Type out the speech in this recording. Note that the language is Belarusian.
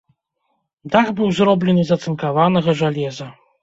Дах быў зроблены з ацынкаванага жалеза.